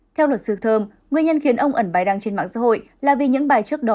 theo luật sư thơm nguyên nhân khiến ông ẩn bài đăng trên mạng xã hội là vì những bài trước đó